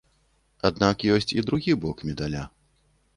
Аднак ёсць і другі бок медаля.